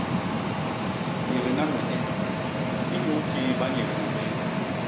Yégna me nye; inyuu kii ba nyégna bé.